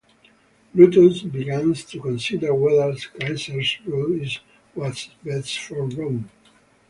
Brutus begins to consider whether Caesar's rule is what’s best for Rome.